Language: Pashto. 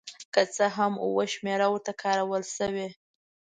که څه هم اوه شمېره ورته کارول شوې.